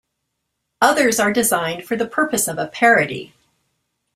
Others are designed for the purpose of a parody.